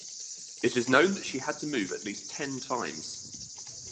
It is known that she had to move at least ten times.